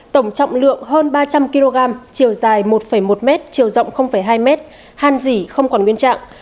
tổng trọng lượng hơn ba trăm linh kg chiều dài một một m chiều rộng hai m hàn dỉ không còn nguyên trạng